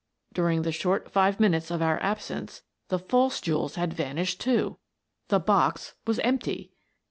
During the short five minutes of our absence, the false jewels had vanished, too! The box was empty.